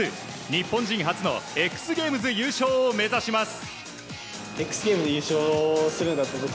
日本人初のＸＧａｍｅｓ優勝を目指します。